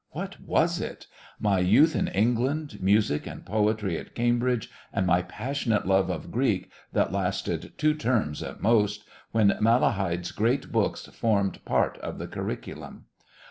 What was it? My youth in England, music and poetry at Cambridge and my passionate love of Greek that lasted two terms at most, when Malahide's great books formed part of the curriculum.